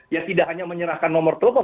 ya tidak hanya menyerahkan nomor telepon